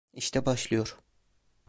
İşte başlıyor.